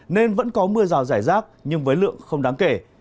nên vẫn có mưa rào rải rác nhưng với lượng không đáng kể